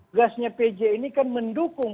gasnya pj ini kan mendukung